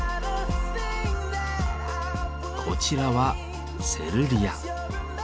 こちらは「セルリア」。